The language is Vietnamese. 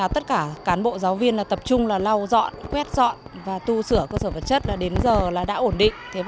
tất cả cán bộ giáo viên tập trung lau dọn quét dọn và tu sửa cơ sở vật chất đến giờ đã ổn định